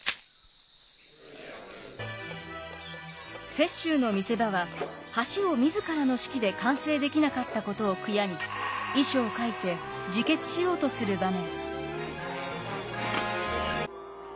雪洲の見せ場は橋を自らの指揮で完成できなかったことを悔やみ遺書を書いて自決しようとする場面。